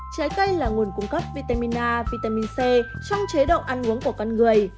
trái cây là nguồn cung cấp vitamin a vitamin c trong chế độ ăn uống của con người